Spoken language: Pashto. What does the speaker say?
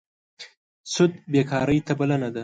سود بېکارۍ ته بلنه ده.